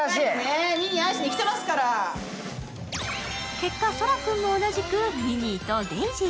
結果、想良君も同じくミニーとデイジー。